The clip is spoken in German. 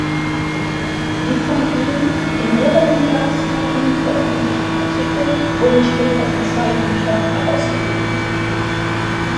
Die von ihn in mehreren Tageszeitungen veröffentlichten Artikel wurden später in zwei Büchern herausgegeben.